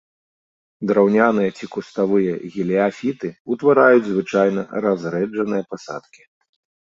Драўняныя ці куставыя геліяфіты ўтвараюць звычайна разрэджаныя пасадкі.